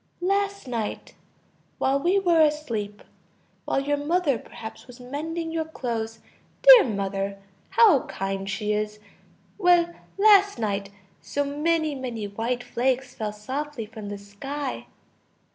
Last night ... while we were asleep, while your mother perhaps was mending your clothes ... dear mother, how kind she is!... well, last night, so many, many white flakes fell softly from the sky!...